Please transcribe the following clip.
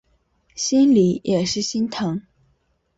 心里也是心疼